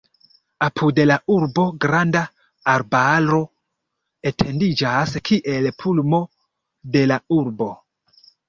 Apud la urbo granda arbaro etendiĝas, kiel pulmo de la urbo.